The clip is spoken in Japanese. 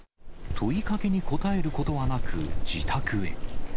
問いかけに答えることはなく、自宅へ。